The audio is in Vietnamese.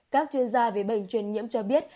các chuyên gia về bệnh truyền nhiễm cho biết